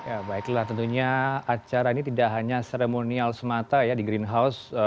ya baiklah tentunya acara ini tidak hanya seremonial semata ya di greenhouse